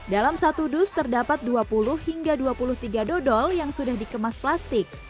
dalam satu dus terdapat dua puluh hingga dua puluh tiga dodol yang sudah dikemas plastik